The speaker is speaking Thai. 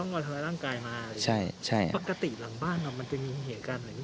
ปกติหลังบ้านมันจะมีเหตุการณ์เหมือนนี้เกิด